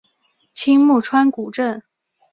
青木川古镇